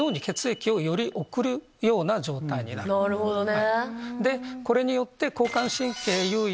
なるほどね。